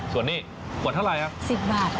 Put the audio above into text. ส่วนนี่ขวดเท่าไรครับ